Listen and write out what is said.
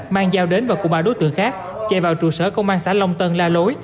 mang dao đến và cùng ba đối tượng khác chạy vào trụ sở công an xã long tân la lối